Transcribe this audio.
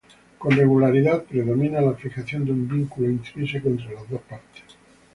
Con regularidad predomina la fijación de un vínculo intrínseco entre las dos partes.